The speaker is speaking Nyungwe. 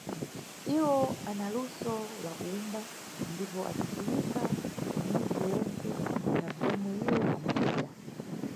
Iwo ana luso la kuwumba ndipo acidziwika mʼmudzi mwentse na bzomwe iwo ambacita.